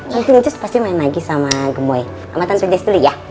nanti musti main lagi sama gemoy sama tante jes dulu ya